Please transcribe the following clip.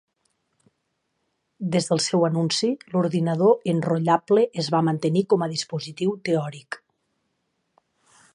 Des del seu anunci, l'ordinador enrotllable es va mantenir com a dispositiu teòric.